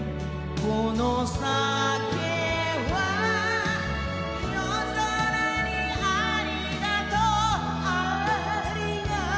この酒は夜空にありがとありがとね